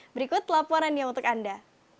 berikut laporannya untuk anda